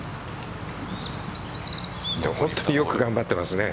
本当に、よく頑張っていますね。